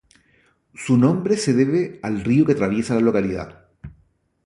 Su nombre se debe al río que atraviesa la localidad.